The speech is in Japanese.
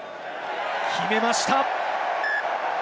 決めました！